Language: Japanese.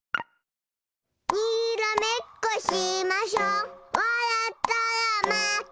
にらめっこしましょわらったらまけよ。